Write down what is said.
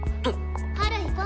ハル行こ。